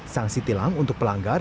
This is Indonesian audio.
sangsi tilang untuk pelanggar